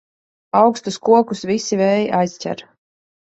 Augstus kokus visi vēji aizķer.